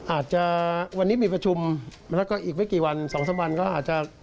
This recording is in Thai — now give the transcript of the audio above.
อาจจะวันนี้มีประชุมแล้วก็อีกไม่กี่วันสองสามวันก็อาจจะ